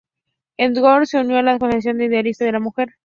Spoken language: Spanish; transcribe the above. Erdoğan se unió a la "Asociación Idealista de la Mujer".